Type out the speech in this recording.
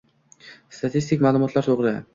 Statistik ma'lumotlar to'g'ri